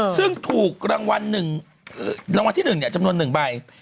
ซึ่งถูกรางวัลที่๑จำนวน๑ใบ